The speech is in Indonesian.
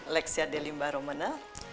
leksi dari mbak romana